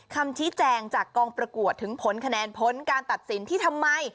คำชี้แจงจากกองประกวดถึงผลคะแนนผลการตัดสินที่ทำไม